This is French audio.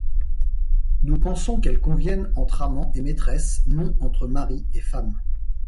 Nous pensons qu’elles conviennent entre amant et maîtresse, non entre mari et femme.